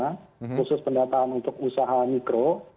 khusus pendataan untuk usaha mikro